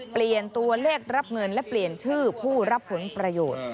เปลี่ยนตัวเลขรับเงินและเปลี่ยนชื่อผู้รับผลประโยชน์